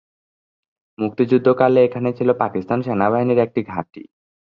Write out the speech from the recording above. মুক্তিযুদ্ধকালে এখানে ছিল পাকিস্তান সেনাবাহিনীর একটি ঘাঁটি।